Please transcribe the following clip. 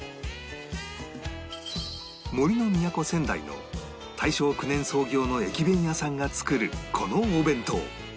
杜の都仙台の大正９年創業の駅弁屋さんが作るこのお弁当